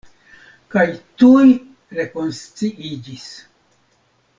Kaj tuj rekonsciiĝis.